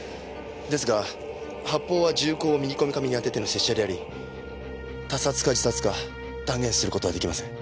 ですが発砲は銃口を右こめかみに当てての接射であり他殺か自殺か断言する事は出来ません。